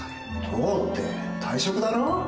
・どうって退職だろ？